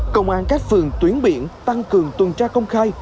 công an các phường tuyến biển tăng cường tuần tra công khai